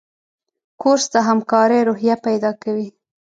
کورس د همکارۍ روحیه پیدا کوي.